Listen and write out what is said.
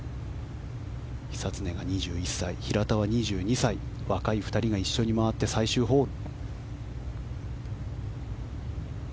久常が２２歳、平田は２１歳若い２人が一緒に回って最終ホール。